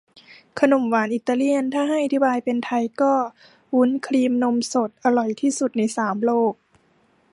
ขนมหวานอิตาเลียน ถ้าให้อธิบายเป็นไทยก็ วุ้นครีมนมสด อร่อยที่สุดในสามโลก